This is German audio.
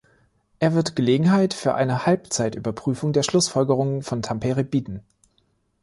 Er wird Gelegenheit für eine Halbzeitüberprüfung der Schlussfolgerungen von Tampere bieten.